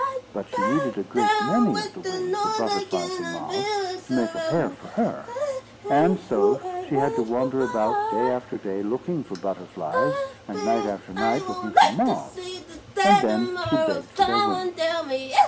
But she needed a great many of the wings of butterflies and moths to make a pair for her; and so she had to wander about day after day, looking for butterflies, and night after night, looking for moths; and then she begged for their wings.